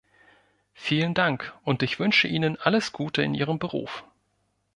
Vielen Dank, und ich wünsche Ihnen alles Gute in Ihrem Beruf.